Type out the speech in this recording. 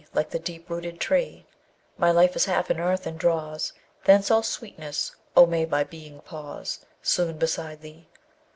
Like the deep rooted tree, My life is half in earth, and draws Thence all sweetness; oh may my being pause Soon beside thee!